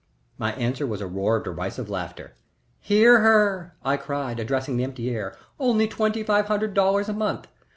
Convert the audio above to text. My answer was a roar of derisive laughter. "Hear her!" I cried, addressing the empty air. "Only twenty five hundred dollars a month!